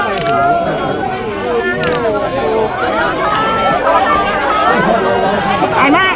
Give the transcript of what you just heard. ขอบคุณมากขอบคุณค่ะ